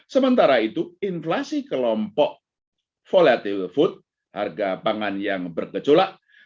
sementara itu inflasi kelompok volatil food harga pangan yang bergejolak